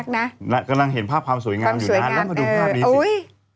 กำลังเห็นภาพความสวยงามอยู่นะแล้วมาดูภาพนี้สิ